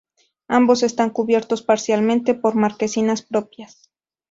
Ambos están cubiertos parcialmente por marquesinas propias.